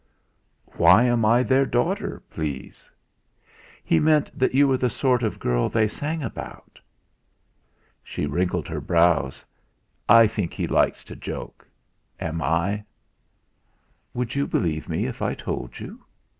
"Why am I their daughter, please?" "He meant that you were the sort of girl they sang about." She wrinkled her brows. "I think he likes to joke. Am I?" "Would you believe me, if I told you?"